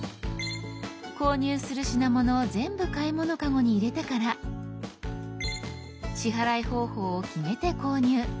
購入する品物を全部買い物カゴに入れてから支払い方法を決めて購入。